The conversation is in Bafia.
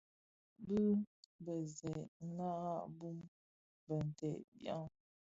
Bi bësè ñaran bum binted byan?